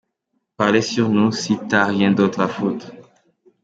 Parle sur nous si t’as rien d’autre à foutre.